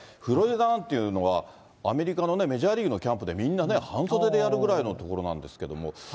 フロリダなんていうのは、アメリカのメジャーリーグのキャンプで、みんなね、半袖でやるぐらいの所なんですけども。